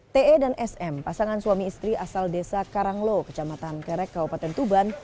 te dan sm pasangan suami istri asal desa karanglo kecamatan kerek kabupaten tuban